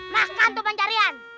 makan tuh pancarian